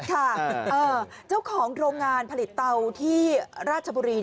ค่ะเจ้าของโรงงานผลิตเตาที่ราชบุรี